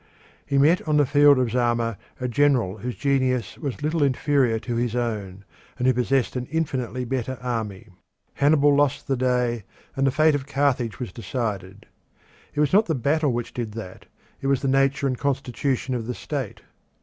He met on the field of Zama a general whose genius was little inferior to his own, and who possessed an infinitely better army. Hannibal lost the day, and the fate of Carthage was decided. It was not the battle which did that; it was the nature and constitution of the state.